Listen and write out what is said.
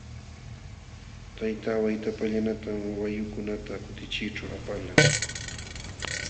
Tayta Waytapallanatam wayukunata kutichiyćhu apalqaa.